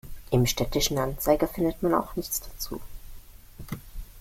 Im Städtischen Anzeiger findet man auch nichts dazu.